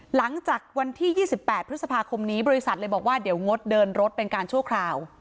หลังจากวันที่๒๘พฤษภาคมนี้บริษัทเลยบอกว่าเดี๋ยวงดเดินรถเป็นการชั่วคราว